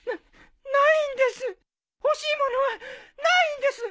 欲しいものはないんです！